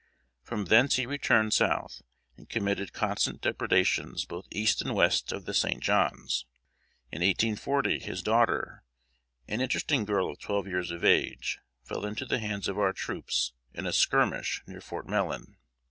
From thence he returned south, and committed constant depredations both east and west of the St. John's. In 1840, his daughter, an interesting girl of twelve years of age, fell into the hands of our troops, in a skirmish near Fort Mellon.